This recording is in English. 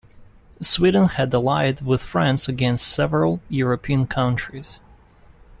Sweden had allied with France against several European countries.